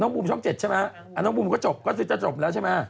น้องปูมชั้น๗ใช่ม่ะน้องปูมก็จบก็จะจบแล้วใช่ม่ะ